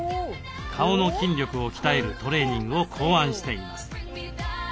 顔の筋力を鍛えるトレーニングを考案しています。